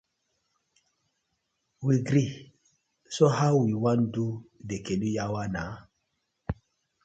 We gree, so how we wan do de canoe yawa naw?